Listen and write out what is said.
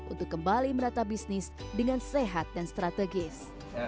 untuk kembali menata bisnis dengan sehat dan strategis